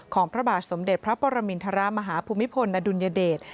พระบาทสมเด็จพระปรมินทรมาฮภูมิพลอดุลยเดช